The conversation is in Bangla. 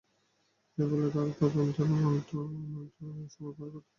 তাই বলে তারা তদন্তের নামে অনন্ত সময় পার করতে পারে না।